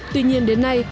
tuy nhiên đến nay